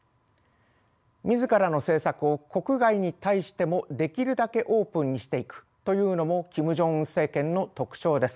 自らの政策を国外に対してもできるだけオープンにしていくというのもキム・ジョンウン政権の特徴です。